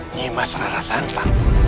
nimas rara santa